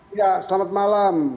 iya selamat malam